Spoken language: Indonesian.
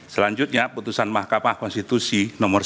selanjutnya putusan mahkamah konstitusi nomor sembilan puluh pu